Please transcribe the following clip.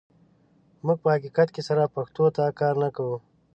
موږ په حقیقت سره پښتو ته کار نه کوو.